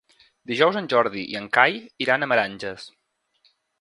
Dijous en Jordi i en Cai iran a Meranges.